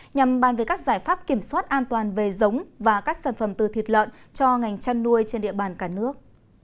nhằm bàn về các giải pháp kiểm soát an toàn về giống và các sản phẩm từ thịt lợn cho ngành chăn nuôi trên địa bàn cả nước